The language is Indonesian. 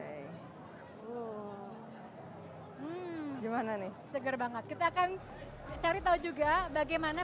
hai hai gimana nih seger banget kita akan sekali tahu juga bagaimana